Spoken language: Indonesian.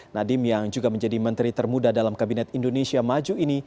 nadiem yang juga menjadi menteri termuda dalam kabinet indonesia maju ini